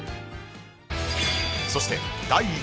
そして第１位は